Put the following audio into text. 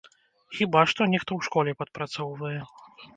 Хіба што, нехта ў школе падпрацоўвае.